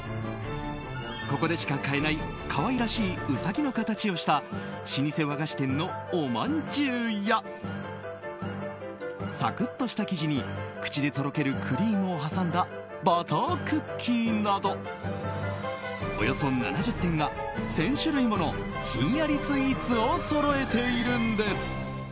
ここでしか買えない可愛らしいウサギの形をした老舗和菓子店のおまんじゅうやサクッとした生地に口でとろけるクリームを挟んだバタークッキーなどおよそ７０店が１０００種類ものひんやりスイーツをそろえているんです。